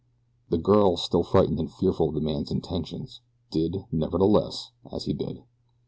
The girl, still frightened and fearful of the man's intentions, did, nevertheless, as he bid.